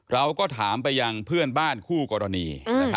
เราก็ถามไปยังเพื่อนบ้านคู่กรณี